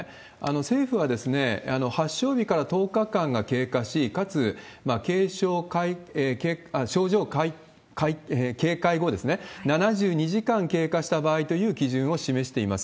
政府は発症日から１０日間が経過し、かつ症状軽快後、７２時間経過した場合という基準を示しています。